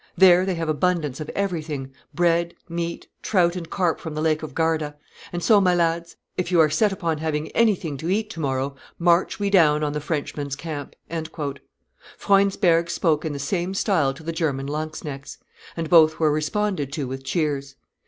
There they have abundance of everything, bread, meat, trout and carp from the Lake of Garda. And so, my lads, if you are set upon having anything to eat tomorrow, march we down on the Frenchmen's camp." Freundsberg spoke in the same style to the German lanzknechts. And both were responded to with cheers.